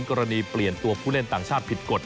กรณีเปลี่ยนตัวผู้เล่นต่างชาติผิดกฎ